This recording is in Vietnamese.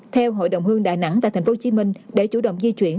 theo hội đồng hương đà nẵng và thành phố hồ chí minh để chủ động di chuyển